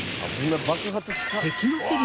爆発近っ！